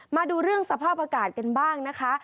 มาดูเรื่องสภาพอากาศกันบ้างนะคะ